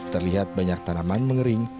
terlihat banyak tanaman mengering